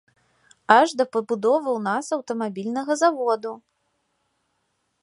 Аж да пабудовы ў нас аўтамабільнага заводу!